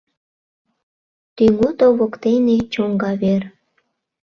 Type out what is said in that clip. Тӱҥото воктене — чоҥга вер.